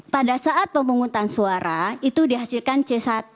pada saat pemungutan suara itu dihasilkan c satu